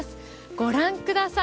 ご覧ください